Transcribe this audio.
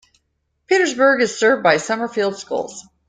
Petersburg is served by Summerfield Schools.